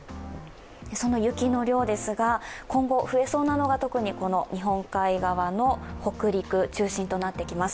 雪の量ですが、今後増えそうなのが特に日本海側の北陸が中心となってきます。